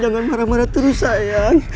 jangan marah marah terus saya